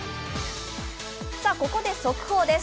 ここで速報です。